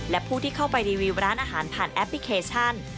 และผู้ที่เข้าไปรีวิวร้านอาหารผ่านแอปพลิเคชัน